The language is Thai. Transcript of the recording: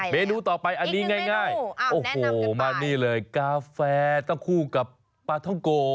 เมนูต่อไปอันนี้ง่ายโอ้โหมานี่เลยกาแฟต้องคู่กับปลาท่องโก